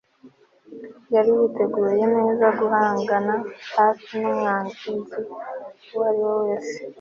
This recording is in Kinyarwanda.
Yari yiteguye neza guhangana hafi numwanzi uwo ari we wese